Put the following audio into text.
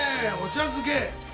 お茶漬け！